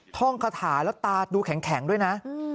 ท่องคาถาแล้วตาดูแข็งด้วยนะ